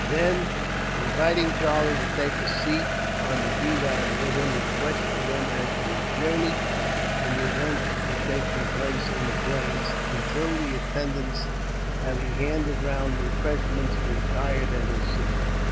Then, inviting Charlie to take a seat on the divan with him, he questioned him as to his journey, and the events which were taking place in the plains; until the attendants, having handed round refreshments, retired at his signal.